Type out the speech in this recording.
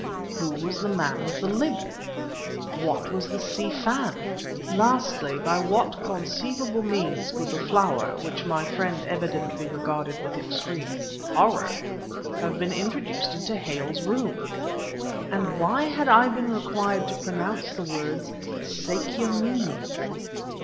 Who was the "man with the limp"? What was the Si Fan? Lastly, by what conceivable means could the flower, which my friend evidently regarded with extreme horror, have been introduced into Hale's room, and why had I been required to pronounce the words "Sâkya Mûni"?